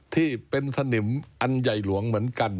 ที่เป็นสนิมอันใหญ่หลวงเหมือนกัน